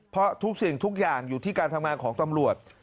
เพราะทุกสิ่งทุกอย่างอยู่ที่การทำงานของตำรวจ